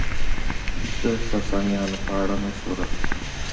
د ساسانيانو په اړه مشهوره ده،